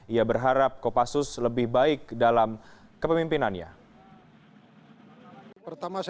ia berharap kopassus lebih baik dalam kepemimpinannya